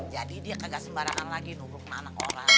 jadi dia kagak sembarangan lagi nuruk anak anak orang